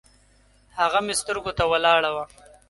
هغه مې سترګو ته ولاړه وه